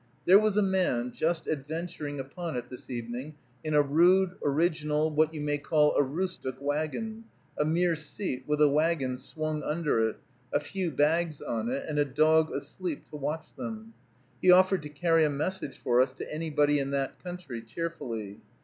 There was a man just adventuring upon it this evening in a rude, original, what you may call Aroostook wagon, a mere seat, with a wagon swung under it, a few bags on it, and a dog asleep to watch them. He offered to carry a message for us to anybody in that country, cheerfully.